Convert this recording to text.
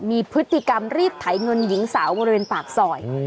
มีพฤติกรรมรีดไถเงินหญิงสาวบริเวณปากซอย